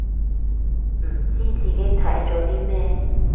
唔知自己睇咗啲咩